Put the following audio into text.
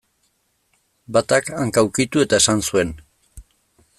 Batak, hanka ukitu eta esan zuen.